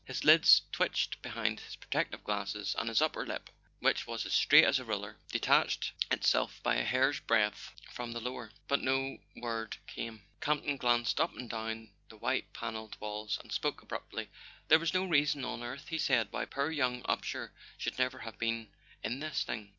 His lids twitched behind his protective glasses, and his upper lip, which was as straight as a ruler, detached itself by a hair's breadth from the lower; but no word came. Camp ton glanced up and down the white panelled walls, and spoke abruptly. "There was no reason on earth," he said, "why poor young Upsher should ever have been in this thing."